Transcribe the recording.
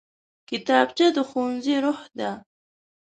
کتابچه د ښوونځي روح ده